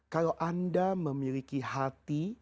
kalau anda memiliki hati